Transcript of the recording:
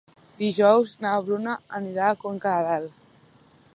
Dijous na Bruna anirà a Conca de Dalt.